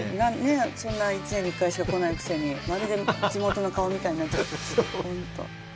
そんな一年に一回しか来ないくせにまるで地元の顔みたいになっちゃってるし本当。